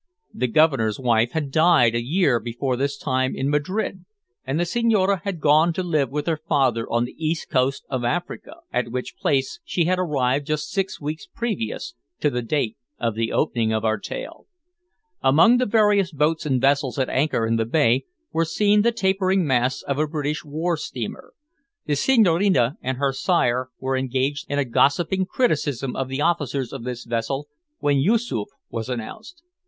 The Governor's wife had died a year before this time in Madrid, and the Senhorina had gone to live with her father on the east coast of Africa, at which place she had arrived just six weeks previous to the date of the opening of our tale. Among the various boats and vessels at anchor in the bay, were seen the tapering masts of a British war steamer. The Senhorina and her sire were engaged in a gossiping criticism of the officers of this vessel when Yoosoof was announced.